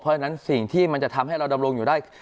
เพราะฉะนั้นสิ่งที่มันจะทำให้เราดำรงอยู่ได้